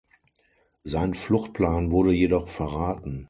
Sein Fluchtplan wurde jedoch verraten.